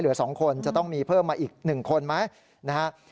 ๒คนจะต้องมีเพิ่มมาอีก๑คนไหมนะฮะ